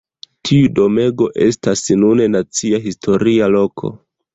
Tiu domego estas nune Nacia Historia Loko.